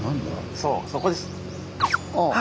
そうそこです！